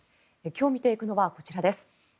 今日見ていくのは、こちらです。